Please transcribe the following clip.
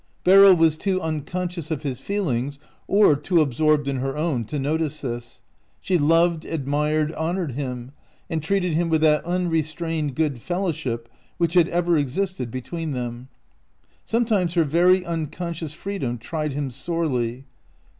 Beryl was too uncon scious of his feelings or too absorbed in her own to notice this. She loved, admired, honored him, and treated him with that unrestrained good fellowship that had ever existed between them. Sometimes her very unconscious freedom tried him sorely.